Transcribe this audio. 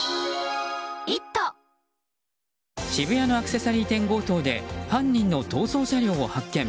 渋谷のアクセサリー店強盗で犯人の逃走車両を発見。